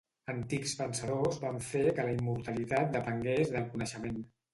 Antics pensadors van fer que la immortalitat depengués del coneixement.